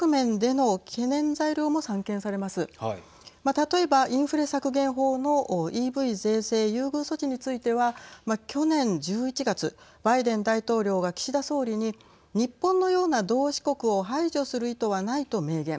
例えばインフレ削減法のＥＶ税制優遇措置については去年１１月バイデン大統領が岸田総理に日本のような同志国を排除する意図はないと明言。